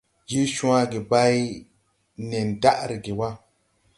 Je cwage bay nen daʼ reege wa.